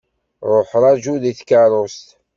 Ṛuḥ ṛaju deg tkeṛṛust.